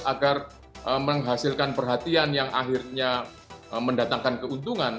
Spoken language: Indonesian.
agar menghasilkan perhatian yang akhirnya mendatangkan keuntungan